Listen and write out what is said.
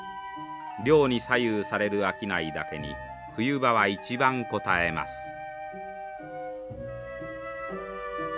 漁に左右される商いだけに冬場は一番こたえます。